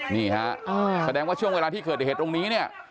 นี่ฮะแสดงว่าช่วงเวลาที่เกิดเหตุตรงนี้เนี่ย